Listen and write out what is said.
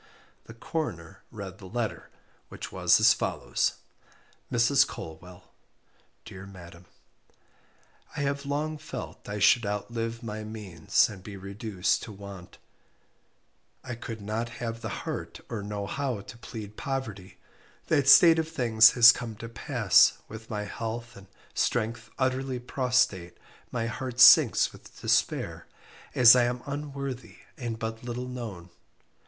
The Coroner read the letter, which was as follows: "Mrs. Colwell, "Dear Madam, "I have long felt should I outlive my means and be reduced to want I could not have the heart or know how to plead poverty, that state of things has come to pass, with my health and strength utterly prostrate my heart sinks with despair, as I am unworthy and but little known.